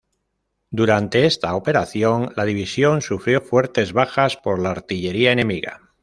Durante esta operación, la división sufrió fuertes bajas por la artillería enemiga.